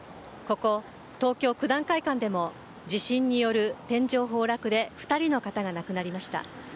ここ東京・九段会館でも地震による天井崩落で２人の方が亡くなりました。